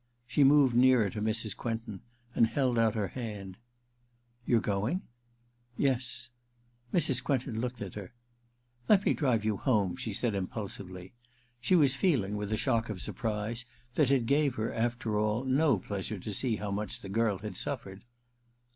She moved nearer to Mrs, Quentin and held out her hand. * You're going ?' *Yes.' Mrs. Quentin looked at her. * Let me drive you home,' she said, impulsively. She was feel ing, with a shock of surprise, that it gave her, after all, no pleasure to see how much the girl had suffered.